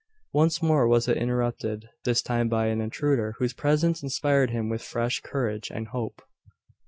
Once more was it interrupted, this time by an intruder whose presence inspired him with fresh courage and hope.